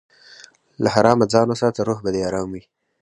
له حرامه ځان وساته، روح به دې ارام وي.